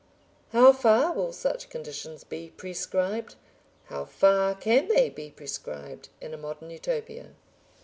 How far will such conditions be prescribed? how far can they be prescribed in a Modern Utopia?